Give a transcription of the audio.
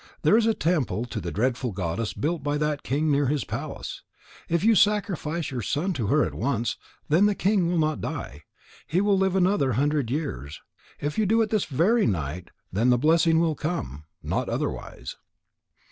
There is a temple to the Dreadful Goddess built by that king near his palace. If you sacrifice your son to her at once, then the king will not die. He will live another hundred years. If you do it this very night, then the blessing will come, not otherwise."